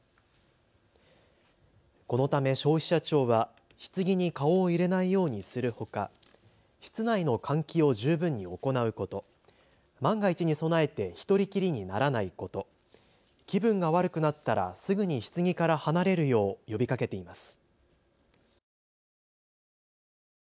このため消費者庁はひつぎに顔を入れないようにするほか、室内の換気を十分に行うこと、万が一に備えて一人きりにならないこと、気分が悪くなったらすぐにひつぎから離れるよう呼びかけています。